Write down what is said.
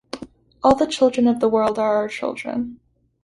All the children of the world are our children.